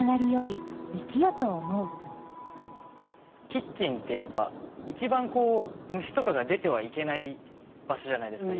キッチンってやっぱ一番虫とかが出てはいけない場所じゃないですか。